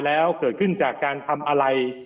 แล้วเกิดขึ้นจากการทำอะไร